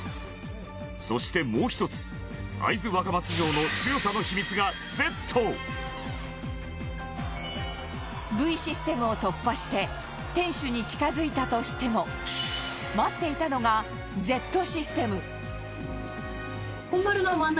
そして、もう１つ会津若松城の強さの秘密が、ＺＶシステムを突破して天守に近付いたとしても待っていたのが、Ｚシステムいなもとさん：